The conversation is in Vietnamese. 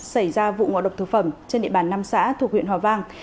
xảy ra vụ ngọa độc thực phẩm trên địa bàn nam xã thuộc huyện hòa vang